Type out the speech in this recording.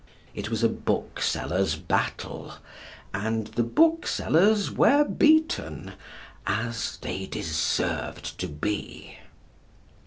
It was a booksellers' battle, and the booksellers were beaten, as they deserved to be.